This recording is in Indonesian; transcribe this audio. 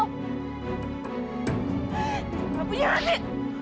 gak punya hati